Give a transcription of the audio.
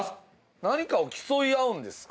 何かを競い合うんですか？